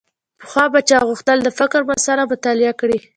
پخوا به چا غوښتل د فقر مسأله مطالعه کړي.